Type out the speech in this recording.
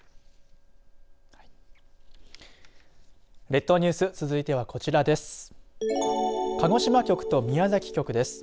列島ニュース続いてはこちらです。